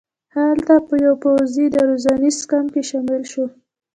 هلته په یوه پوځي روزنیز کمپ کې شامل شو.